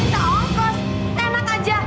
gak ada ongkos enak aja